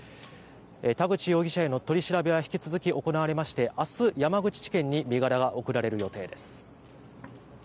田口容疑者への取り調べは引き続き行われまして明日、山口地検に身柄が送られる予定です。